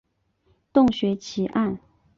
洞穴奇案。